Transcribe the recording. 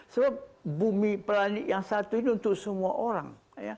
sebab bumi pelanik yang satu ini untuk semua orang